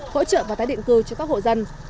hỗ trợ và tái định cư cho các hộ dân